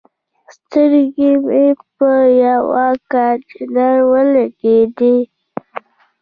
سترګې مې په یوه کانتینر ولګېدي.